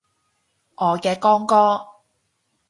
我嘅光哥